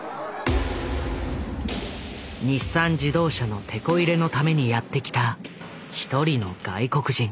日産自動車のテコ入れのためにやって来た一人の外国人。